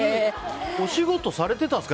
お仕事されてたんですか？